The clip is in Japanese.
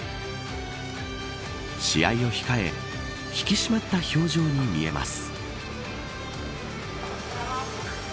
試合を控え引き締まった表情に見えます。